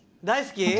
大好き？